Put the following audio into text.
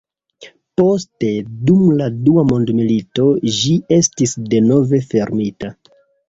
Poste dum la dua mondmilito ĝi estis denove fermita.